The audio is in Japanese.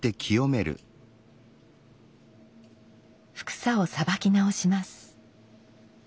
帛紗をさばき直します。